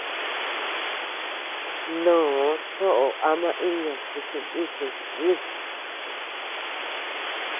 Mnoo choʼo ama iña chi jinikuy mï.